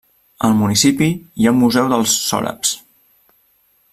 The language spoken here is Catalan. Al municipi hi ha un museu dels sòrabs.